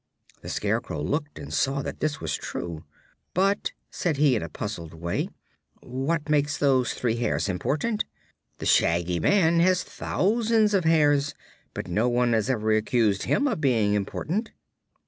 The Scarecrow looked and saw that this was true. "But," said he, in a puzzled way, "what makes those three hairs important? The Shaggy Man has thousands of hairs, but no one has ever accused him of being important."